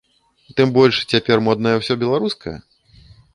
Тым больш, цяпер моднае ўсё беларускае?